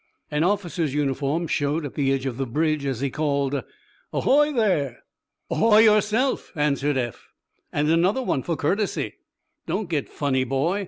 An officer's uniform showed at the edge of the bridge, as he called: "Ahoy, there!" "Ahoy, yourself," answered Eph. "And another one for courtesy." "Don't get funny, boy!"